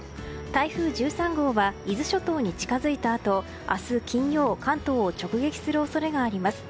台風１３号は伊豆諸島に近づいたあと明日金曜関東を直撃する恐れがあります。